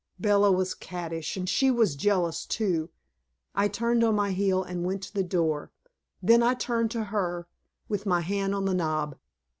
Bella was cattish, and she was jealous, too. I turned on my heel and went to the door; then I turned to her, with my hand on the knob.